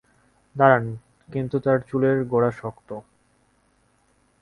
দাঁড়ান, কিন্তু তার চুলের গোড়া শক্ত।